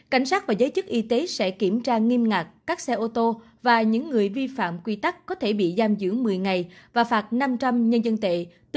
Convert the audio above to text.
cảnh sát và giới chức y tế sẽ kiểm tra nghiêm ngặt các xe ô tô và những người vi phạm quy tắc có thể bị giam giữ một mươi ngày và phạt năm trăm linh nhân dân tệ